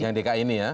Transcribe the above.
yang dki ini ya